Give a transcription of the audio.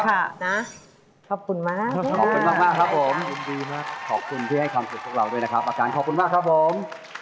ขอบคุณมากขอบคุณที่ให้ความสุขของเราด้วยนะครับอาการขอบคุณมากครับผม